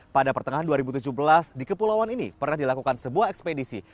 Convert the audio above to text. pada pertengahan dua ribu tujuh belas di kepulauan ini pernah dilakukan sebuah ekspedisi